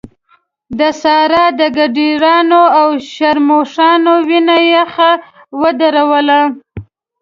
د سارا د ګيدړانو او شرموښانو وينه يخ ودروله.